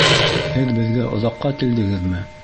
Һеҙ беҙгә оҙаҡҡа килдегеҙме?